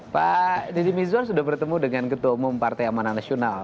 pak deddy mizwar sudah bertemu dengan ketua umum partai amanah nasional